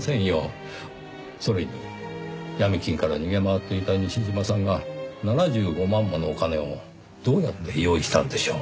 それにヤミ金から逃げ回っていた西島さんが７５万ものお金をどうやって用意したんでしょう？